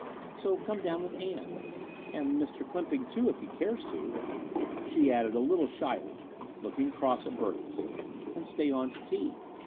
So come down with Ann — ^and Mr. Clymping, too, if he cares to," she added a little shyly, looking across at Burgess — "and stay on to tea.